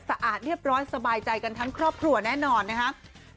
สะอาดเรียบร้อยสบายใจกันทั้งครอบครัวแน่นอนนะครับ